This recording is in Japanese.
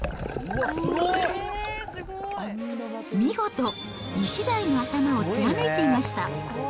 見事、イシダイの頭を貫いていました。